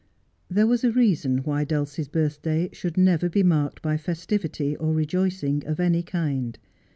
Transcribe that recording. There was a reason why Dulcie's birthday should never be marked by festivity or rejoicing of any kind.